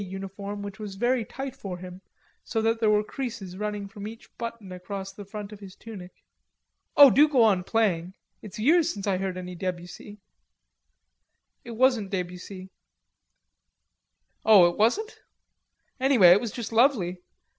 uniform which was very tight for him, so that there were creases running from each button across the front of his tunic. "Oh, do go on playing. It's years since I heard any Debussy." "It wasn't Debussy." "Oh, wasn't it? Anyway it was just lovely.